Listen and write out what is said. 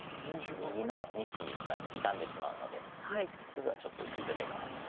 右の２子が傷んでしまうのですぐはちょっと打ちづらいかなと。